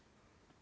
あ！